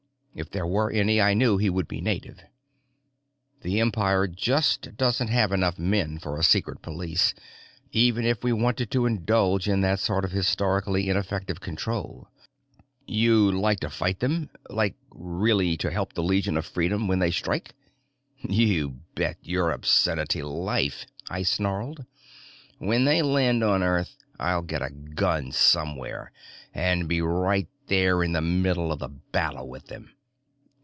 If there were any, I knew he would be native. The Empire just doesn't have enough men for a secret police, even if we wanted to indulge in that sort of historically ineffective control. "You'd like to fight them? Like really to help the Legion of Freedom when they strike?" "You bet your obscenity life!" I snarled. "When they land on Earth, I'll get a gun somewhere and be right there in the middle of the battle with them!"